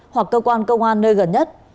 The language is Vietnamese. hoặc cơ quan công an nơi gần nhất